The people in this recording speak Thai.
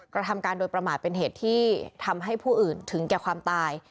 กระทำการโดยประมาทเป็นเหตุที่ทำให้ผู้อื่นถึงแก่ความตาย